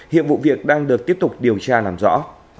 hiện vụ việc đang được tiếp tục điều tra làm rõ